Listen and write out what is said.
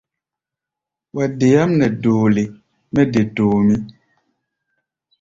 Wa deáʼm nɛ doole mɛ de tomʼí.